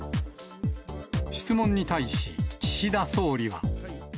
質問に対し、岸田総理は。